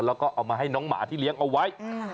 แล้วก็เอามาให้น้องหมาที่เลี้ยงเอาไว้